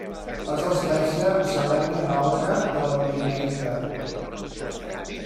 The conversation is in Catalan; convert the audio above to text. És l'espècie amb seleni anàloga de la linneïta.